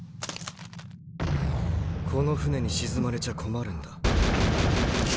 この船に沈まれちゃ困るんだ。